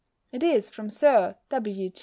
It is from Sir W.G.